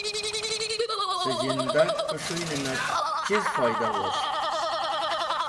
Cẽ zhimdag kẽs̃hũnẽnẽb chiz foyda wost?